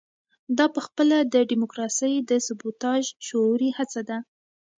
دا پخپله د ډیموکراسۍ د سبوتاژ شعوري هڅه ده.